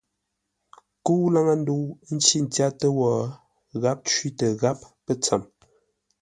Nkə́u laŋə́-ndə̂u ə́ ncí tyátə́ wó, gháp cwítə gháp pə́tsəm.